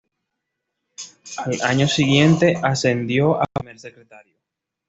Al año siguiente ascendió a primer secretario.